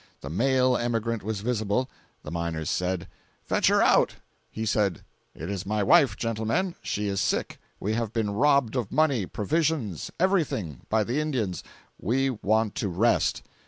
The male emigrant was visible. The miners said: "Fetch her out!" He said: "It is my wife, gentlemen—she is sick—we have been robbed of money, provisions, everything, by the Indians—we want to rest."